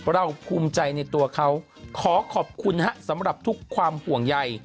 ภูมิใจในตัวเขาขอขอบคุณฮะสำหรับทุกความห่วงใย